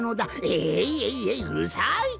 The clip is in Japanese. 「えいえいえいうるさい」と。